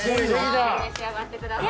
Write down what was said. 召し上がってください。